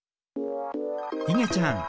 いげちゃん